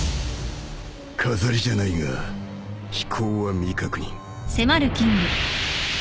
飾りじゃないが飛行は未確認